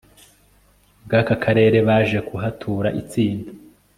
abw aka akarere baje kuhatura itsinda